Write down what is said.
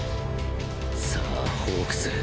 さァホークス！